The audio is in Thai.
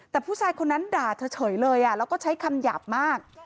แต่ผู้ชายคนนั้นด่าเธอเฉยเลยแล้วก็ใช้คำหยาบมาก